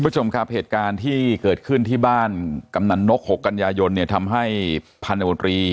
ต้มผู้จำกลับเหตุการณ์ที่เกิดขึ้นที่บ้านกำนักหกกัญญายนเนี่ยทำให้พรรณวนตรี